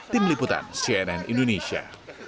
tim liputan cnn indonesia